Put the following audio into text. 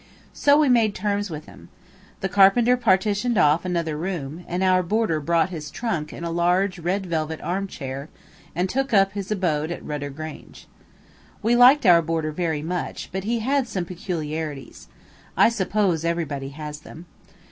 So we made terms with him. The carpenter partitioned off another room, and our boarder brought his trunk and a large red velvet arm chair, and took up his abode at "Rudder Grange." We liked our boarder very much, but he had some peculiarities. I suppose everybody has them.